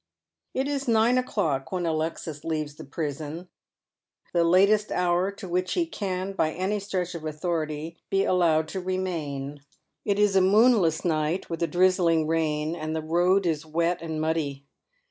It is nine o'clock when Alexis leaves the prison, the latest hour to which he can, by any stretch of authority, be allowed to remain. It is a moonless night, with a drizzhng rain, and the road is wet and muddy.